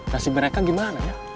kasih mereka gimana ya